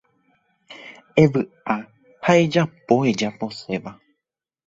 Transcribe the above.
Evy'a ha ejapo ejaposéva.